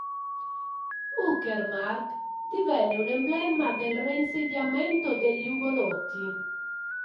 Uckermark divenne un emblema del reinsediamento degli ugonotti.